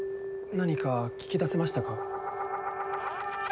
何か聞き出せましたか？